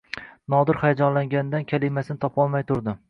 Nodir hayajonlanganidan kalimasini topolmay turdi: